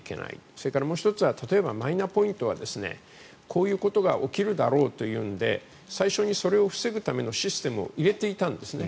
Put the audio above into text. それからもう１つは例えばマイナポイントはこういうことが起きるだろうというので最初にそれを防ぐためのシステムを入れていたんですね。